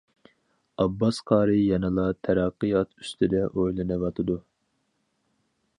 ئابباس قارى يەنىلا تەرەققىيات ئۈستىدە ئويلىنىۋاتىدۇ.